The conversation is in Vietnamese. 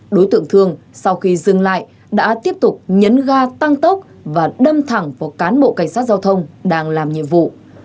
đối tượng thường sau khi dừng lại đã tiếp tục nhấn ga tăng tốc và đâm thẳng vào cán bộ cảnh sát giao thông đang làm nhiệm vụ